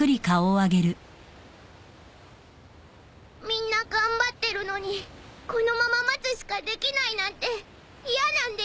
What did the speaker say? みんな頑張ってるのにこのまま待つしかできないなんて嫌なんでやんす。